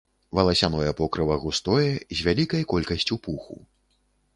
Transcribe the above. Валасяное покрыва густое, з вялікай колькасцю пуху.